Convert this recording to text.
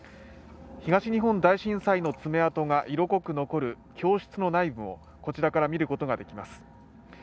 東日本大震災の爪痕が色濃く残る教室の内部をこちらから見ることができます